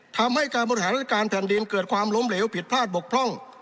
ทำให้การบริหารราชการแผ่นดินเกิดความล้มเหลวผิดพลาดบกพร่อง